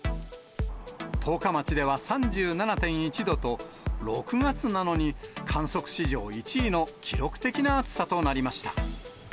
十日町では３７．１度と、６月なのに、観測史上１位の記録的な暑さとなりました。